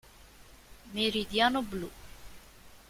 Meridiano blu.